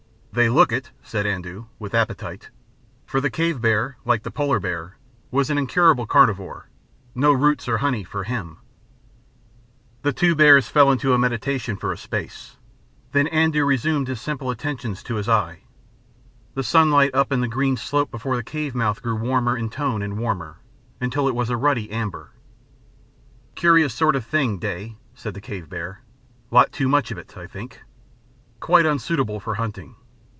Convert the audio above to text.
"They look it," said Andoo, with appetite for the cave bear, like the polar bear, was an incurable carnivore no roots or honey for him. The two bears fell into a meditation for a space. Then Andoo resumed his simple attentions to his eye. The sunlight up the green slope before the cave mouth grew warmer in tone and warmer, until it was a ruddy amber. "Curious sort of thing day," said the cave bear. "Lot too much of it, I think. Quite unsuitable for hunting.